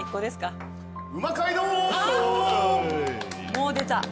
もう出た。